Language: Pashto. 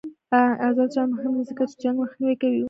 آزاد تجارت مهم دی ځکه چې جنګ مخنیوی کوي.